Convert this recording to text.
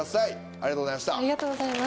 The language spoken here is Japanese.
ありがとうございます。